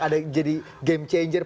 ada jadi game changer